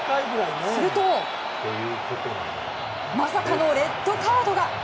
するとまさかのレッドカードが。